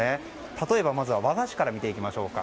例えば、まずは和菓子から見ていきましょうか。